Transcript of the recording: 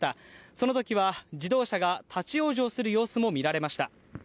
そのときは自動車が立往生する様子もみられました。